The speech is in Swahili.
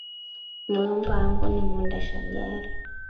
Muyomba yangu ni mwendasha gari